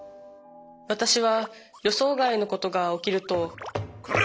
私は予想外のことが起きるとコラ！